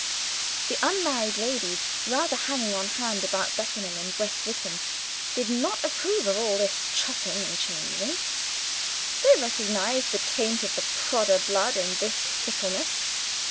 The unmarried ladies rather hanging on hand about Beckenham and West Wickham did not approve of all this chopping and changing. They recognized the taint of the Prodder blood in this fickleness.